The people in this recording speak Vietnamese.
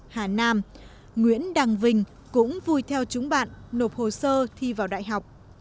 hà nam nguyễn đăng vinh cũng vui theo chúng bạn nộp hồ sơ thi vào đại học